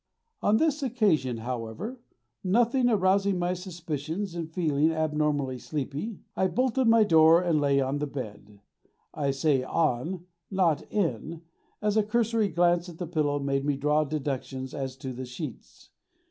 On this occasion, however, nothing arousing my suspicions and feeling abnormally sleepy, I bolted my door and lay on the bed; I say "on," not "in," as a cursory glance at the pillow made me draw deductions as to the sheets.